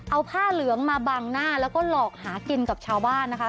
เอาผ้าเหลืองมาบังหน้าแล้วก็หลอกหากินกับชาวบ้านนะคะ